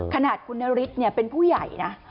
ขนาดคุณนฤทธิ์เป็นผู้ใหญ่นะ